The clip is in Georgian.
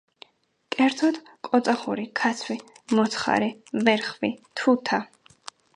კერძოდ, კოწახური, ქაცვი, მოცხარი, ვერხვი, თუთა.